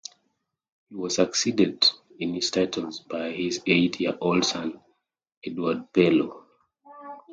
He was succeeded in his titles by his eight-year-old son Edward Pellew.